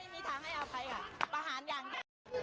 ไม่มีทางให้เอาไปอ่ะประหารอย่างนี้